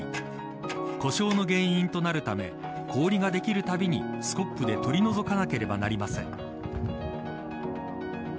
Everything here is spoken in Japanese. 故障の原因となるため氷ができるたびにスコップで取り除かなければなりません。